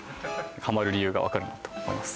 ハマる理由が分かるなと思います